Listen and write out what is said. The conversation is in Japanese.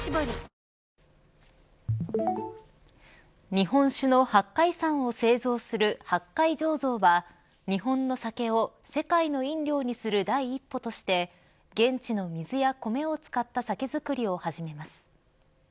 日本酒の八海山を製造する八海醸造は日本の酒を世界の飲料にする第一歩として現地の水や米を使った酒造りを始めます。